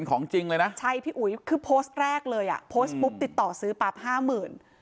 ของจริงเลยนะใช่พี่อุ๋ยคือโพสต์แรกเลยอ่ะโพสต์ปุ๊บติดต่อซื้อปั๊บห้าหมื่น